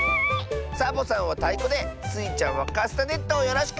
サボさんはたいこでスイちゃんはカスタネットをよろしく！